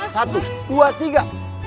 satu dua tiga